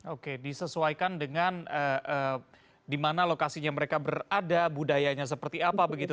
oke disesuaikan dengan di mana lokasinya mereka berada budayanya seperti apa begitu